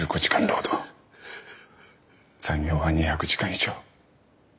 残業は２００時間以上。